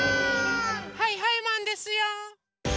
はいはいマンですよ！